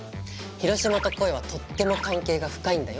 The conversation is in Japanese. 広島と鯉はとっても関係が深いんだよ。